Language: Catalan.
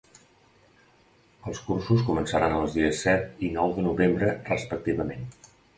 Els cursos començaran els dies set i nou de novembre respectivament.